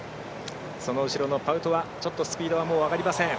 その後ろのパウトワスピードが上がりません。